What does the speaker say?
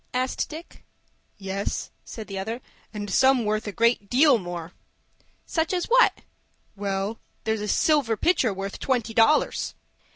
asked Dick. "Yes," said the other, "and some worth a great deal more." "Such as what?" "Well, there's a silver pitcher worth twenty dollars."